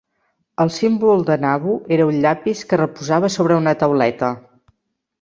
El símbol de Nabu era un llapis que reposava sobre una tauleta.